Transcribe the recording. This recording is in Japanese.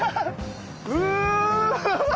うわ！